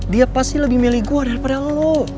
dia pasti lebih milih gue daripada lo